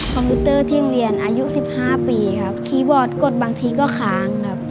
คอมพิวเตอร์ที่เรียนอายุ๑๕ปีครับคีย์บอร์ดกดบางทีก็ค้างครับ